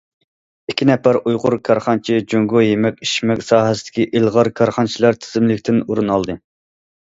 ئىككى نەپەر ئۇيغۇر كارخانىچى جۇڭگو يېمەك- ئىچمەك ساھەسىدىكى ئىلغار كارخانىچىلار تىزىملىكىدىن ئورۇن ئالدى.